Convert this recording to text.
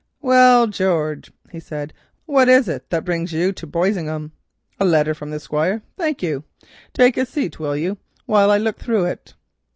"Well, George," he said, "what is it that brings you to Boisingham? A letter from the Squire. Thank you. Take a seat, will you, while I look through it?